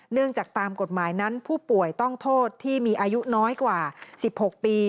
จากตามกฎหมายนั้นผู้ป่วยต้องโทษที่มีอายุน้อยกว่า๑๖ปี